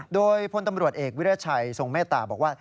โดยพลตำรวจเอกวิรัชัยทรงเมตตาบอกว่า